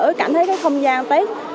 mình cảm thấy không gian tết